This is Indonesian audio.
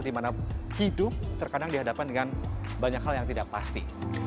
dimana hidup terkadang dihadapkan dengan banyak hal yang tidak pasti